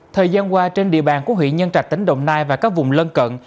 thời gian qua trên địa bàn của huyện nhân trạch tỉnh đồng nai và các vùng lân cận